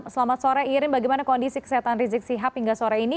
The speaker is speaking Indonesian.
selamat sore irin bagaimana kondisi kesehatan rizik sihab hingga sore ini